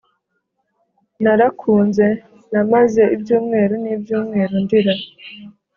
narakunze namaze ibyumweru n ibyumweru ndira